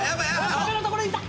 岡部のところに行った！